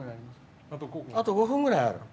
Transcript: あと５分ぐらいある。